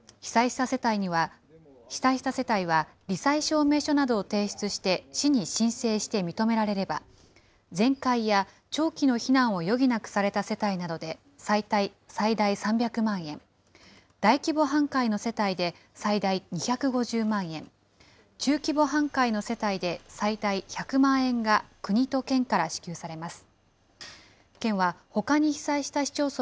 被災した世帯は、り災証明書などを提出して市に申請して認められれば、全壊や長期の避難を余儀なくされた世帯などで最大３００万円、大規模半壊の世帯で最大２５０万円、中規模半壊の世帯で最大１００万円が国と県から支給されます。